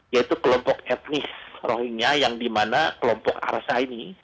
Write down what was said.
yaitu kelompok etnis rohingnya yang di mana kelompok arsa ini